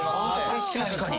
・確かに。